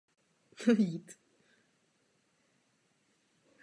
Existuje několik klíčových podmínek pro poskytování lešení.